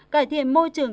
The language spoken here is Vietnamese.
cải thiện môi trường